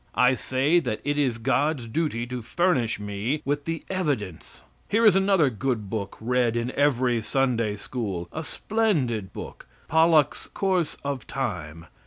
I say that it is God's duty to furnish me with the evidence. Here is another good book read in every Sunday school a splendid book Pollok's "Course of Time."